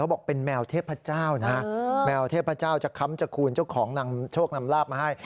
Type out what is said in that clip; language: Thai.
บอกเป็นแมวเทพเจ้านะแมวเทพเจ้าจะค้ำจะคูณเจ้าของนำโชคนำลาบมาให้